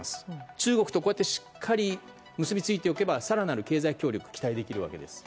中国とこうやってしっかり結びついておけば更なる経済協力が期待できるわけです。